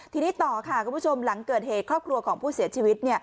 ทีนี้ต่อค่ะคุณผู้ชมหลังเกิดเหตุครอบครัวของผู้เสียชีวิต